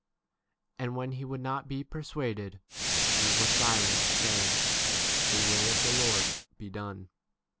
And when he would not be persuaded, we were silent, saying, The will 15 of the Lord be done.